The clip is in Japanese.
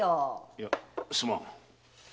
いやすまん。